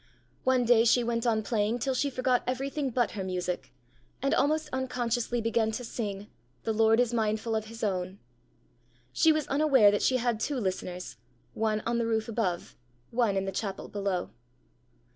One day she went on playing till she forgot everything but her music, and almost unconsciously began to sing "The Lord is mindful of his own." She was unaware that she had two listeners one on the roof above, one in the chapel below.